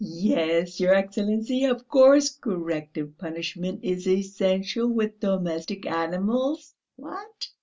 "Yes, your Excellency, of course; corrective punishment is essential with domestic animals." "What?"